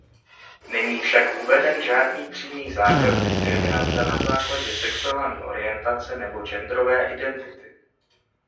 Není však uveden žádný přímý zákaz diskriminace na základě sexuální orientace nebo genderové identity.